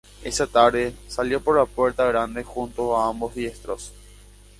Esa tarde salió por la puerta grande junto a ambos diestros.